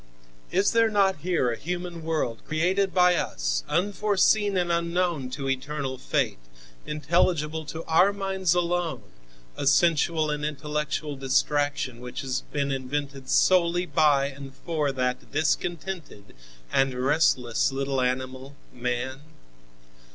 Is there not here a human world created by us, unforeseen and unknown to eternal fate, intelligible to our minds alone, a sensual and intellectual distraction, which has been invented solely by and for that discontented and restless little animal, man?